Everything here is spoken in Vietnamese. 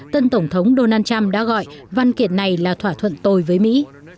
tân tổng thống donald trump đã gọi văn kiện này là thỏa thuận tồi với mỹ